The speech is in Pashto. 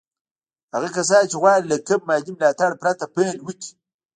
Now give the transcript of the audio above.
هغه کسان چې غواړي له کوم مالي ملاتړ پرته پيل وکړي.